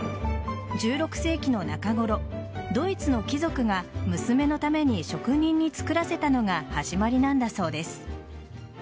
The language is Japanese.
１６世紀の中ごろドイツの貴族が娘のために職人に作らせたのが始まりなんだそうです。